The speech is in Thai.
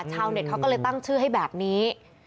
ชาวเน็ตเขาก็เลยตั้งชื่อให้แบบนี้